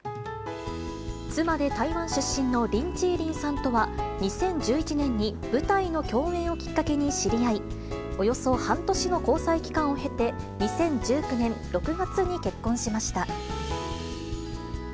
妻で台湾出身のリン・チーリンさんとは、２０１１年に舞台の共演をきっかけに知り合い、およそ半年の交際期間を経て、２０１９年６月に結婚しました。